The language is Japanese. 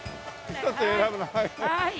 １つ選ぶのはい。